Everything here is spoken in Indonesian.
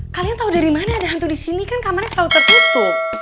kalian tahu dari mana ada hantu di sini kan kamarnya selalu tertutup